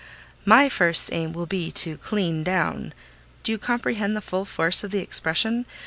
"My first aim will be to clean down (do you comprehend the full force of the expression?)